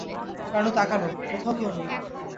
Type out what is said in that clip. রানু তাকাল, কোথাও কেউ নেই।